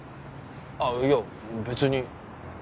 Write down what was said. あっいや別に。